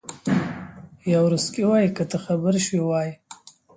یاورسکي وایي که ته خبر شوی وای.